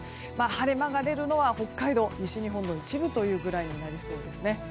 晴れ間が出るのは北海道西日本の一部くらいになりそうですね。